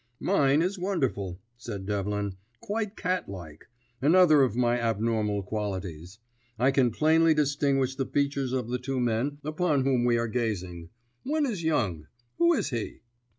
"Mine is wonderful," said Devlin, "quite catlike; another of my abnormal qualities. I can plainly distinguish the features of the two men upon whom we are gazing. One is young. Who is he?"